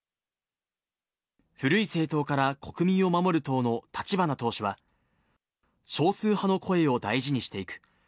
古い政党から国民を守る党の立花党首は、少数派の声を大事にしていく。